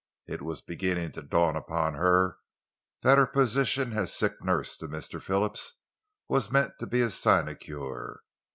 It was beginning to dawn upon her that her position as sick nurse to Mr. Phillips was meant to be a sinecure.